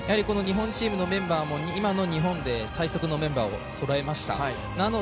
日本チームのメンバーも今の日本で最速のメンバーをそろえました。